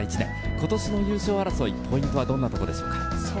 今年の優勝争い、ポイントはどんなところでしょうか？